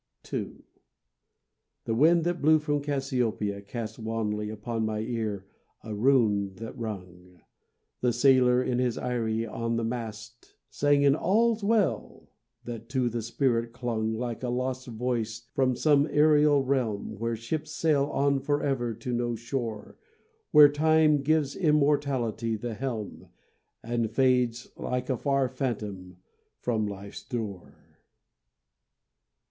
II The wind that blew from Cassiopeia cast Wanly upon my ear a rune that rung; The sailor in his eyrie on the mast Sang an "All's well," that to the spirit clung Like a lost voice from some aërial realm Where ships sail on forever to no shore, Where Time gives Immortality the helm, And fades like a far phantom from life's door.